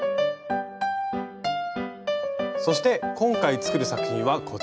そして今回作る作品はこちら。